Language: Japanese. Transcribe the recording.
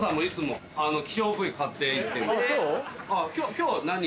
今日は何？